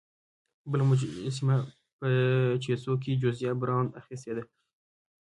بله مجسمه په چیسوک کې جوزیا براون اخیستې ده.